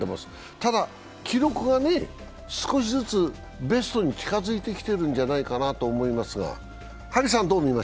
ただ、記録が少しずつベストに近づいてきているんじゃないかなと思いますが。